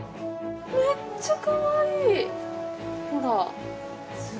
めっちゃかわいい！ほら！